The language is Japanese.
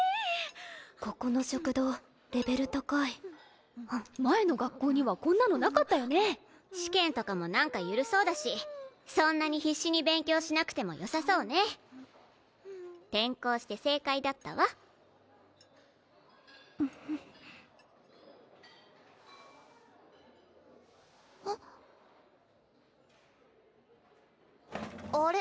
ここの食堂レベル高い前の学校にはこんなのなかったよね試験とかも何か緩そうだしそんなに必死に勉強しなくてもよさそうね転校して正解だったわあっあれ？